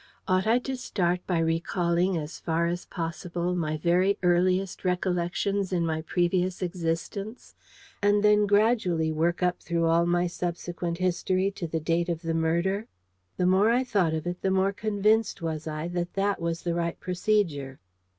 Ought I to start by recalling as far as possible my very earliest recollections in my previous existence, and then gradually work up through all my subsequent history to the date of the murder? The more I thought of it, the more convinced was I that that was the right procedure.